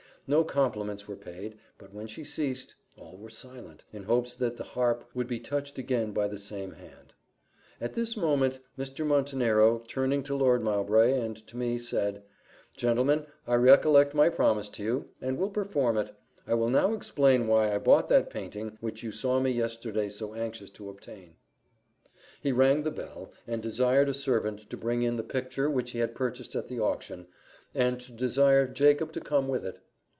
No compliments were paid; but when she ceased, all were silent, in hopes that the harp would be touched again by the same hand. At this moment, Mr. Montenero, turning to Lord Mowbray and to me, said, "Gentlemen, I recollect my promise to you, and will perform it I will now explain why I bought that painting which you saw me yesterday so anxious to obtain." He rang the bell, and desired a servant to bring in the picture which he had purchased at the auction, and to desire Jacob to come with it.